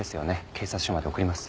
警察署まで送ります。